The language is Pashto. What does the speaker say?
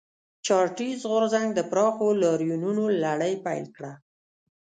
چارټېست غورځنګ د پراخو لاریونونو لړۍ پیل کړه.